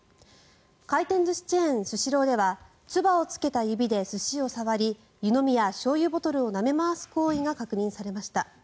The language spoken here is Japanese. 回転寿司チェーンスシローではつばをつけた指で寿司を触り湯飲みやしょうゆボトルをなめ回す行為が確認されました。